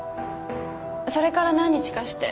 それから何日かして。